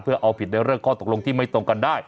เพื่อเอาผิดในเรื่องข้อตกลงที่ไม่ตรงกันได้